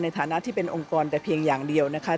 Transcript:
ในฐานะที่เป็นองค์กรแต่เพียงอย่างเดียวนะคะ